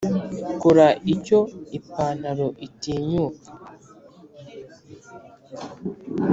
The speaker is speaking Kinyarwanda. kora icyo ipantaro itinyuka.